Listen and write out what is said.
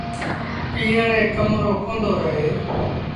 پيٚئڻ ري ڪم رو ڪوندو رهي۔